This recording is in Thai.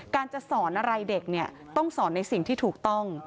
จะสอนอะไรเด็กเนี่ยต้องสอนในสิ่งที่ถูกต้อง